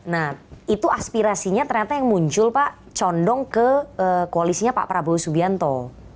nah itu aspirasinya ternyata yang muncul pak condong ke koalisnya pak prabowo subianto